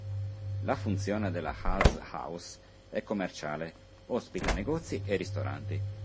La funzione della Haas-Haus è commerciale: ospita negozi e ristoranti.